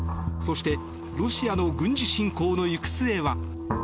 そしてロシアの軍事侵攻の行く末は。